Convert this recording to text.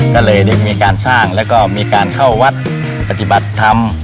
ก็เลยได้มีการสร้างแล้วก็มีการเข้าวัดปฏิบัติธรรม